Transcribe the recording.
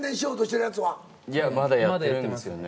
いやまだやってるんですよね。